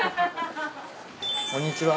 こんにちは。